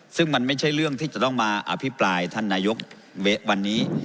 ซึ่งมันไม่ใช่เรื่องที่จะต้องมาอภิปรายท่านนายกวันนี้